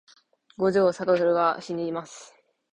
五条悟はしにます